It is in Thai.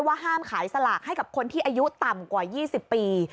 ห้ามขายสลากให้กับคนที่อายุต่ำกว่า๒๐ปี